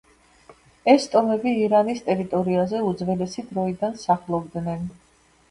ეს ტომები ირანის ტერიტორიაზე უძველესი დროიდან სახლობდნენ.